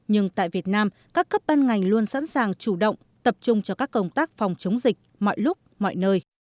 nhưng tại việt nam các cấp ban ngành luôn sẵn sàng chủ động tập trung cho các công tác phòng chống dịch mọi lúc mọi nơi